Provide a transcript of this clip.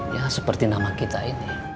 ya seperti nama kita ini